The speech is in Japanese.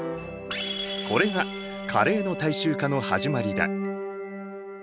これがカレーの大衆化の始まりだ。